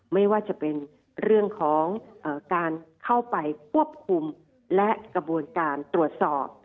ไม่ว่าจะเป็นเรื่องของการเข้าไปควบคุมและกระบวนการตรวจสอบ